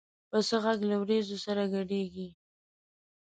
پسه غږ له وریځو سره ګډېږي.